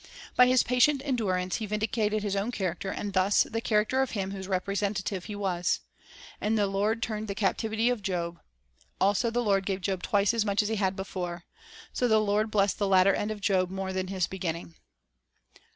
By his patient endurance he vindicated his own character, and thus the character of Him whose representative he was. And "the Lord turned the captivity of Job; ... also the Lord gave Job twice as much as he had before. So the Lord blessed the latter end of Job more than his beginning."